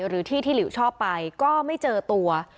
หรือที่ที่หลิวชอบไปก็ไม่เจอตัว